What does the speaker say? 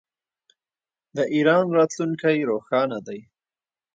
د ایران راتلونکی روښانه دی.